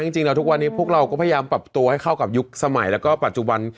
จริงแล้วทุกวันนี้พวกเราก็พยายามปรับตัวให้เข้ากับยุคสมัยแล้วก็ปัจจุบัน